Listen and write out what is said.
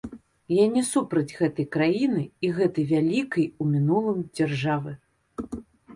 Я не супраць гэтай краіны і гэтай вялікай у мінулым дзяржавы.